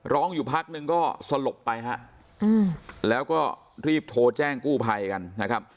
ร้องอยู่พักนึงก็สลบไปฮะแล้วก็รีบโทรแจ้งกู้ภัยกันนะครับ